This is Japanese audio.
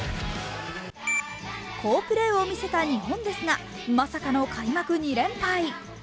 好プレーを見せた日本ですがまさかの開幕２連敗。